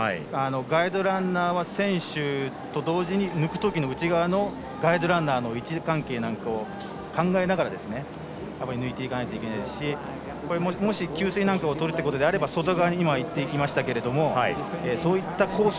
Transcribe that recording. ガイドランナーは選手と同時に抜くときの内側のガイドランナーの位置関係を考えながら抜いていかないといけないしもし、給水なんかをとるときであれば外側にいきましたけれどもそういったコース